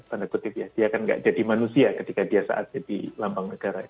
pada kode biasa dia kan tidak jadi manusia ketika dia saat jadi lambang negara